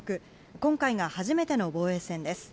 今回が初めての防衛戦です。